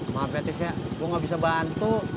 maaf ya tis ya gue nggak bisa bantu